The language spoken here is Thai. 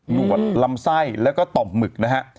หวดลำไส้แล้วก็ต่อมหมึกนะฮะ